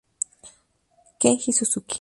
Kenji Suzuki